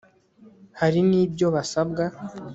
hari n'ibyo basabwa